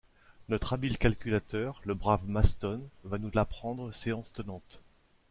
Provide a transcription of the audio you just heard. Notre habile calculateur, le brave Maston, va nous l’apprendre séance tenante.